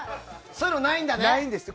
そういうのないんだね。